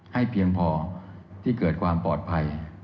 ให้เพียงพอที่เกิดความปลอดภัย